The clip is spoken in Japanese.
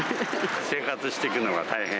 生活してくのが大変。